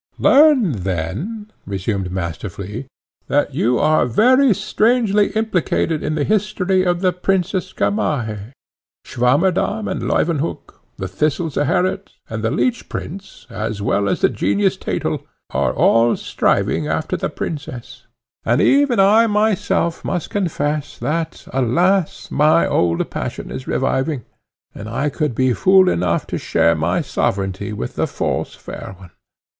"Learn then," resumed Master Flea, "that you are very strangely implicated in the history of the Princess Gamaheh. Swammerdamm and Leuwenhock, the Thistle, Zeherit, and the Leech Prince, as well as the Genius, Thetel, are all striving after the princess; and even I myself must confess that, alas! my old passion is reviving, and I could be fool enough to share my sovereignty with the false fair one.